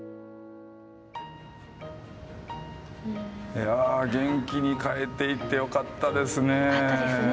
いやあ元気に帰っていってよかったですね。